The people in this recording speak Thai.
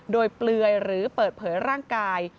โดยเปลือยหรือเปิดเผยร่างกาย